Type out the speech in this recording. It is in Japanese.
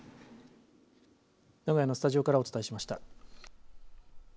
名古屋のスタジオからお伝えしました。